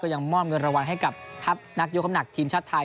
ยังมอบเงินรางวัลให้กับทัพนักยกคำหนักทีมชาติไทย